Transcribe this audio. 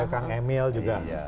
kang emil juga